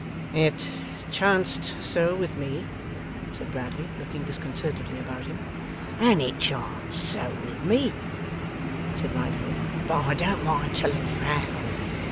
'It chanced so with me,' said Bradley, looking disconcertedly about him. 'And it chanced so with me,' said Riderhood. 'But I don't mind telling you how.